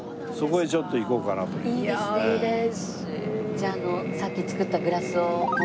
じゃああのさっき作ったグラスを持って。